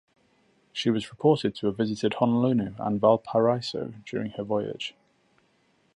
She was reported to have visited Honolulu and Valparaiso during her voyage.